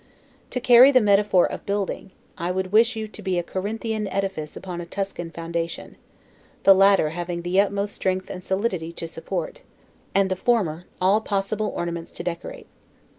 To carry on the metaphor of building: I would wish you to be a Corinthian edifice upon a Tuscan foundation; the latter having the utmost strength and solidity to support, and the former all possible ornaments to decorate.